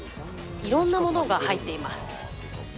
いろんなものが入っています。